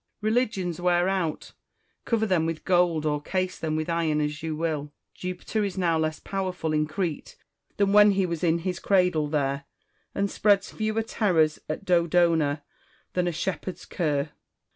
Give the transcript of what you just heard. Religions wear out, cover them with gold or case them with iron as you will. Jupiter is now less powerful MARCUS TULLIUS AND QUJNCTUS CICERO. 329 in Crete than when he was in his cradle there, and spreads fewer terrors at Dodona than a shepherd's cur.